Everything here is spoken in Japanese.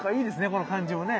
この感じもね。